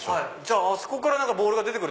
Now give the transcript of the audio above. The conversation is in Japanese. あそこからボールが出て来る？